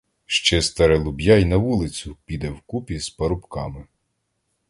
Ще старе луб'я й на вулицю піде вкупі з парубками.